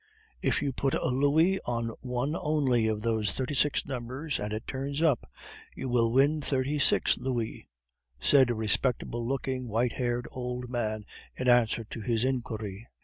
"If you put a louis on one only of those thirty six numbers, and it turns up, you will win thirty six louis," said a respectable looking, white haired old man in answer to his inquiry.